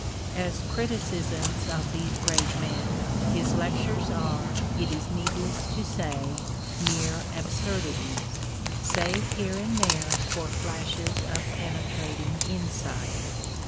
As criticisms of these great men his lectures are, it is needless to say, mere absurdities, save here and there for flashes of penetrating insight.